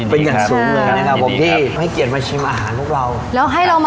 เพื่อแฟนอาการแล้วกันครับ